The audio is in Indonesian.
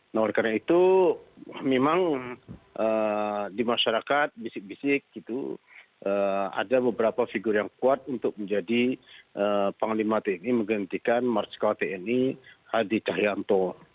nah oleh karena itu memang di masyarakat bisik bisik gitu ada beberapa figur yang kuat untuk menjadi panglima tni menggantikan marsikal tni hadi cahyanto